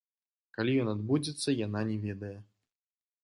Калі ён адбудзецца, яна не ведае.